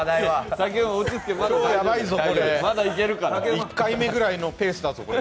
１回目くらいのペースだぞ、これ。